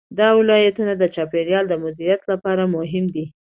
دا ولایتونه د چاپیریال د مدیریت لپاره مهم دي.